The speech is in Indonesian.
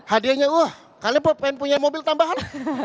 hadiahnya wah kalian pengen punya mobil tambahan